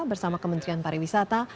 bersama kementerian pariwisata